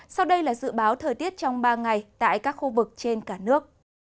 sau đây là dự báo thời tiết trong ba ngày tại các khu vực trên cả nước